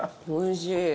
おいしい。